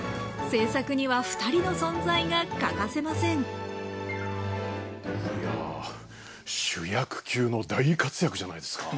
制作には２人の存在が欠かせませんいや主役級の大活躍じゃないですか！